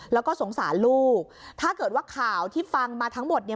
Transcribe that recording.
แล้วก็สงสารลูกถ้าเกิดว่าข่าวที่ฟังมาทั้งหมดเนี่ย